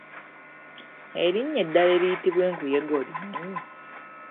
Erinnya eddala eriyitibwa enkuyege olimanyi?